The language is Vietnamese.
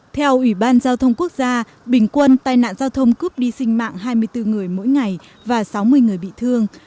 theo ủy ban giao thông quốc gia bình quân tai nạn giao thông cướp đi sinh mạng hai mươi bốn người mỗi ngày và sáu mươi người bị thương